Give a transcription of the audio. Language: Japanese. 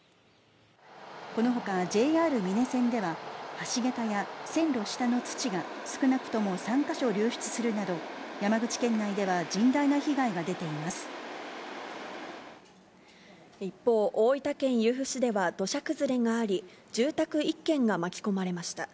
このほかＪＲ美祢線では、橋桁や線路下の土が少なくとも３か所流出するなど、山口県内では一方、大分県由布市では土砂崩れがあり、住宅１軒が巻き込まれました。